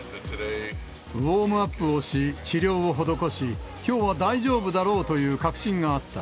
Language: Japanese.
ウオームアップをし、治療を施し、きょうは大丈夫だろうという確信があった。